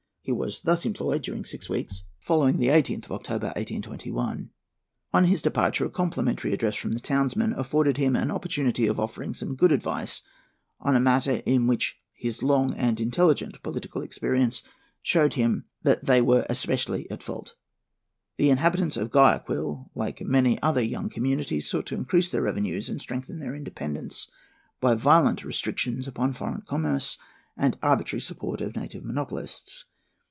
He was thus employed during six weeks following the 18th of October, 1821. On his departure, a complimentary address from the townsmen afforded him an opportunity of offering some good advice on a matter in which his long and intelligent political experience showed him that they were especially at fault. The inhabitants of Guayaquil, like many other young communities, sought to increase their revenues and strengthen their independence by violent restrictions upon foreign commerce and arbitrary support of native monopolists.